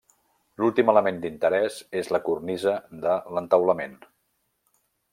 L'últim element d'interès és la cornisa de l'entaulament.